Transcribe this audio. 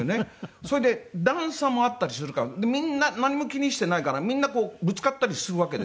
それで段差もあったりするからみんな何も気にしてないからみんなぶつかったりするわけですよ。